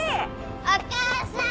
お母さん！